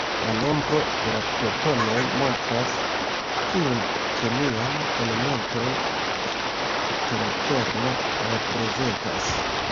La nombro de la protonoj montras, kiun kemian elementon la atomkerno reprezentas.